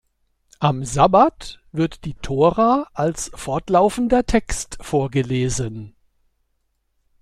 Am Sabbat wird die Tora als fortlaufender Text vorgelesen.